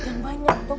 ketiga senyum gue j cast